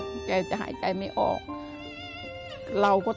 ทำงานชื่อนางหยาดฝนภูมิสุขอายุ๕๔ปี